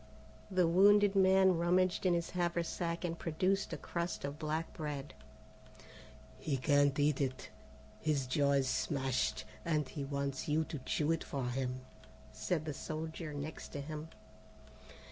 The wounded man rummaged in his haversack and produced a crust of black bread. "He can't eat it, his jaw is smashed, and he wants you to chew it for him," said the soldier next to him.